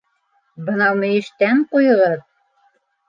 —Бынау мөйөштән ҡуйығыҙ!